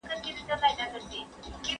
زه له سهاره سفر کوم؟!